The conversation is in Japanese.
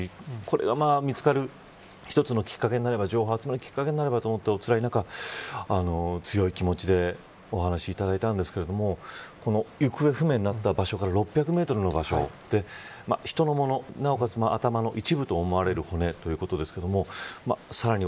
これが見つかる一つのきっかけになればということで、つらい中強い気持ちでお話いただいたんですが行方不明になった場所から６００メートルの場所で人のもの、なおかつ頭の一部と思われる骨ということですがさらに